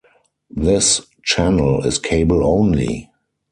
This channel is cable only.